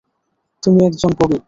তুমি একজন কবি।